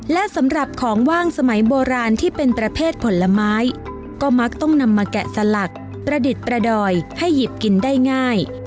และสำหรับของว่างสมัยโบราณที่เป็นประเภทผลไม้ก็มักต้องนำมาแกะสลักประดิษฐ์ประดอยให้หยิบกินได้ง่าย